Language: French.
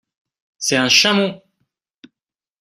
C’est un chameau !…